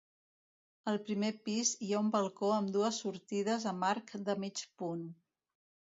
Al primer pis hi ha un balcó amb dues sortides amb arc de mig punt.